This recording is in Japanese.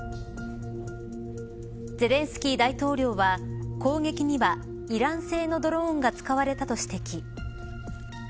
ゼレンスキー大統領は攻撃には、イラン製のドローンが使われたと指摘。